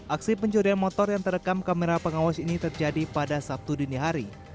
aksi pencurian motor yang terekam kamera pengawas ini terjadi pada sabtu dini hari